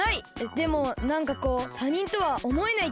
でもなんかこうたにんとはおもえないっていうか。